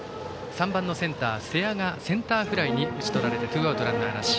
３番のセンター、瀬谷がセンターフライに打ち取られてツーアウトランナー、なし。